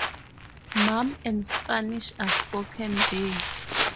Mam and Spanish are spoken there.